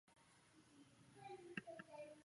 异果短肠蕨为蹄盖蕨科短肠蕨属下的一个种。